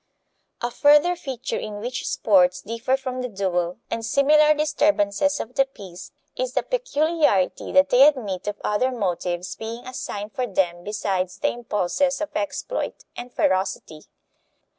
A further feature in which sports differ from the duel and similar disturbances of the peace is the peculiarity that they admit of other motives being assigned for them besides the impulses of exploit and ferocity.